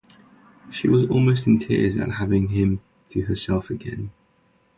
She was almost in tears at having him to herself again.